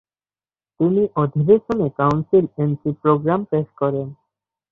তিনি অধিবেশনে council entry programme পেশ করেন।